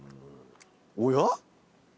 おや？